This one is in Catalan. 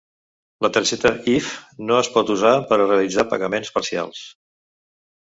La targeta Iff no es pot usar per a realitzar pagaments parcials.